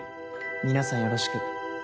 皆さん、よろしく。